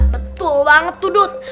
betul banget tuh dud